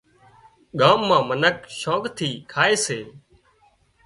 ڳام مان منک شوق ٿِي کائي سي